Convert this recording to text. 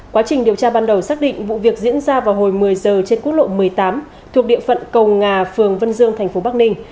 quá trình điều tra ban đầu xác định vụ việc diễn ra vào hồi một mươi giờ trên quốc lộ một mươi tám thuộc địa phận cầu ngà phường vân dương thành phố bắc ninh